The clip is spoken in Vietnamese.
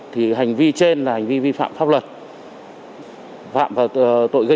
thì hành vi trên là hành vi vi phạm pháp luật